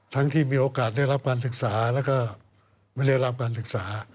ที่มีโอกาสได้รับการศึกษาแล้วก็ไม่ได้รับการศึกษา